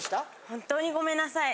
本当にごめんなさい。